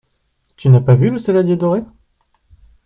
Tu n’as pas vu le saladier doré ?